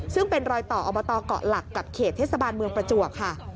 ซึ่งเป็นรอยต่ออบตเกาะหลักกับเขตเทศบาลเมืองประจวบค่ะ